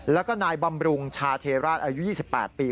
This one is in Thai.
แล้วก็นายบำรุงชาเทราชอายุ๒๘ปี